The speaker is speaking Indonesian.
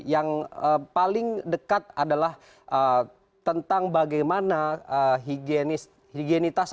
yang paling dekat adalah tentang bagaimana higienitas